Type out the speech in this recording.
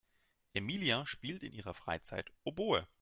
Emilia spielt in ihrer Freizeit Oboe.